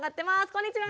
こんにちは！